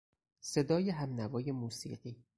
صدای همنوای موسیقی